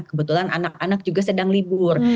kebetulan anak anak juga sedang libur